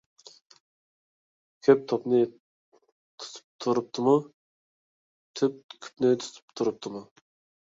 كۈپ تۈپنى تۇتۇپ تۇرۇپتىمۇ؟ تۈپ كۈپنى تۇتۇپ تۇرۇپتىمۇ؟